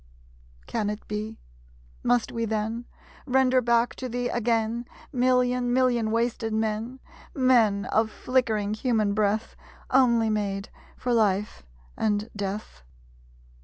Can it be? Must we then Render back to Thee again Million, million wasted men? Men, of flickering human breath, Only made for life and death?